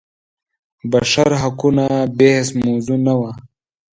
بشر حقونه بحث موضوع نه وه.